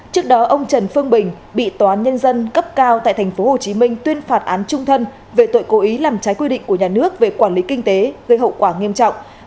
trước đó ông trần phương bình bị tòa án nhân dân cấp cao tại tp hcm tuyên phạt án trung thân về tội cố ý làm trái quy định của nhà nước về quản lý kinh tế gây hậu quả nghiêm trọng